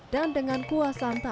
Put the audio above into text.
dan dengan kuah santan